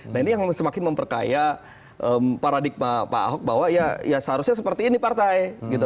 nah ini yang semakin memperkaya paradigma pak ahok bahwa ya seharusnya seperti ini partai gitu